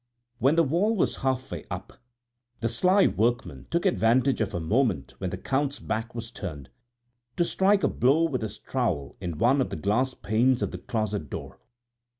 When the wall was about half way up, the sly workman took advantage of a moment when the Count's back was turned, to strike a blow with his trowel in one of the glass panes of the closet door.